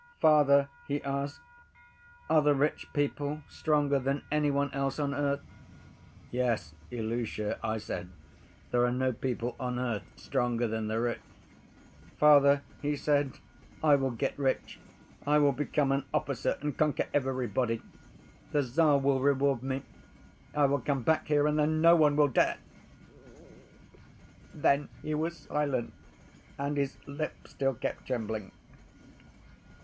'Father,' he asked, 'are the rich people stronger than any one else on earth?' 'Yes, Ilusha,' I said, 'there are no people on earth stronger than the rich.' 'Father,' he said, 'I will get rich, I will become an officer and conquer everybody. The Tsar will reward me, I will come back here and then no one will dare—' Then he was silent and his lips still kept trembling.